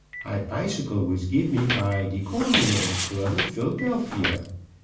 My bicycle was giv me by de Cormorant Club of Phil'delfia.